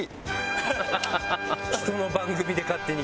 人の番組で勝手に。